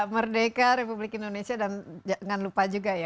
merdeka republik indonesia dan jangan lupa juga ya